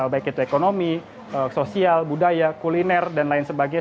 baik itu ekonomi sosial budaya kuliner dan lain sebagainya